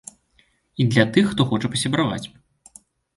І для тых, хто хоча пасябраваць.